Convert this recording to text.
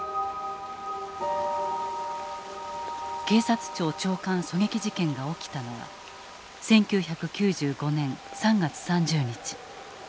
警察庁長官狙撃事件が起きたのは１９９５年３月３０日。